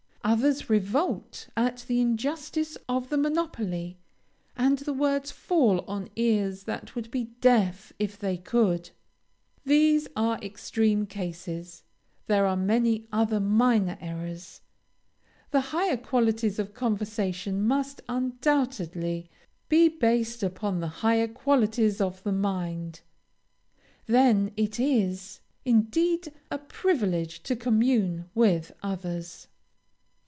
Others revolt at the injustice of the monopoly, and the words fall on ears that would be deaf if they could. These are extreme cases; there are many other minor errors. The higher qualities of conversation must undoubtedly be based upon the higher qualities of the mind; then it is, indeed, a privilege to commune with others.